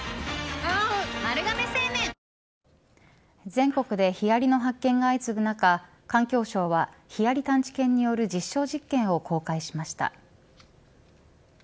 全国でヒアリの発見が相次ぐ中環境省はヒアリ探知犬による実証実験を公開しました。